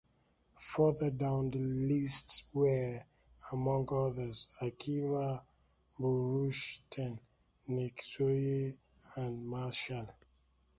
Further down the list were, among others, Akiba Rubinstein, Nimzowitsch, and Marshall.